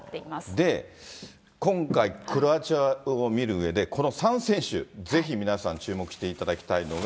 で、今回、クロアチアを見るうえで、この３選手、ぜひ皆さん、注目していただきたいのが。